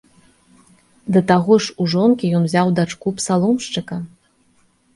Да таго ж у жонкі ён узяў дачку псаломшчыка.